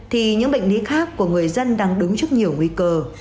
thì những bệnh lý khác của người dân đang đứng trước nhiều nguy cơ